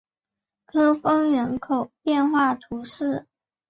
科翁人口变化图示